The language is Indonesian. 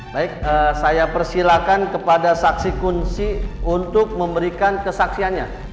baik saya persilakan kepada saksi kunci untuk memberikan kesaksiannya